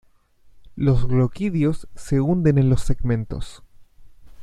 Los gloquidios se hunden en los segmentos.